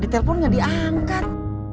di telepon gak diangkat